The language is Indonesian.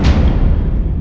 nanti dia nangis